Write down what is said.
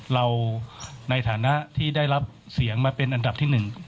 เราในฐานะที่ได้รับเสียงมาเป็นอันดับที่๑